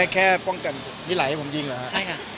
แค่ป้องกันนิหลายให้ผมยิ่งหรือฮะ